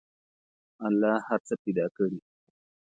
الله هر څه پیدا کړي.